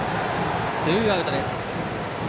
ツーアウトです。